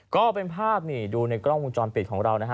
ก็เป็นภาพนี่ดูในกล้องวงจรปิดของเรานะฮะ